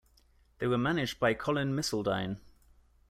They were managed by Colin Misseldine.